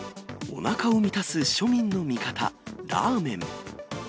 おなかを満たす庶民の味方、ラーメン。